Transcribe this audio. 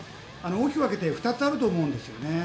大きく分けて２つあると思うんですね。